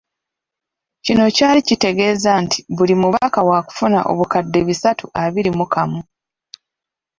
Kino kyali kitegeeza nti buli mubaka waakufuna obukadde bisatu abiri mu kamu.